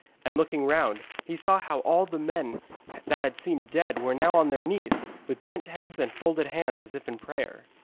And looking round, he saw how all the men that had seemed dead were now on their knees, with bent heads and folded hands as if in prayer.